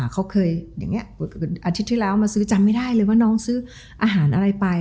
เขาเคยอย่างนี้อาทิตย์ที่แล้วมาซื้อจำไม่ได้เลยว่าน้องซื้ออาหารอะไรไป